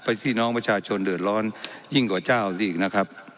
พี่น้องประชาชนเดือดร้อนยิ่งกว่าเจ้าอีกนะครับ